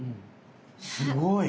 すごい！